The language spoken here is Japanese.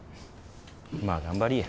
まあ頑張りぃや。